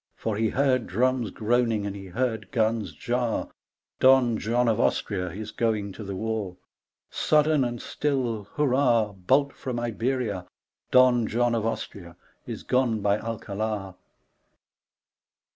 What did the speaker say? For he heard drums groaning and he heard guns jar, (Don John of Austria is going to the war.) Sudden and still hurrah I Bolt from Iberia I Don John of Austria Is gone by Alcalar. G. K.